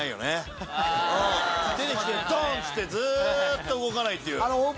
出て来てドン！ってずっと動かないっていう。